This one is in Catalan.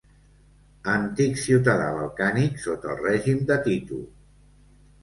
Antic ciutadà balcànic sota el règim de Tito.